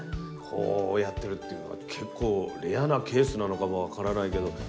こうやってるっていうのは結構レアなケースなのかも分からないけど。